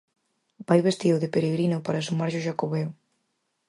Vai vestido de peregrino para sumarse ao Xacobeo.